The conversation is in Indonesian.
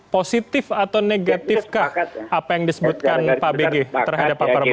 positif atau negatifkah apa yang disebutkan pak bg terhadap pak prabowo